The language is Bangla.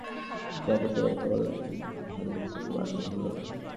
আমি জানি, তোমার কেমন লাগছে, কিন্তু ভালুকটাকে মারলে ভুল হবে।